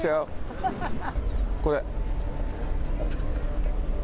これ。